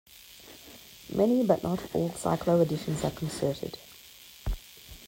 Many but not all cycloadditions are concerted.